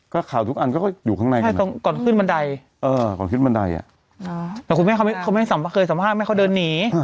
ก็ข่าวทุกอันก็อยู่ข้างในก่อนขึ้นบันไดอ่ะแต่คุณแม่เขาไม่เคยสัมภาพแม่เขาเดินหนี